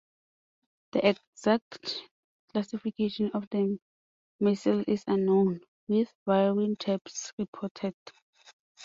The exact classification of the missile is unknown, with varying types reported.